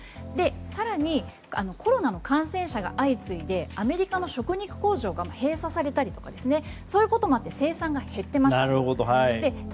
更にコロナの感染者が相次いでアメリカの食肉工場が閉鎖されたりとかそういうこともあって生産が減っていました。